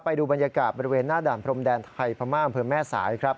ไปดูบรรยากาศบริเวณหน้าด่านพรมแดนไทยพม่าอำเภอแม่สายครับ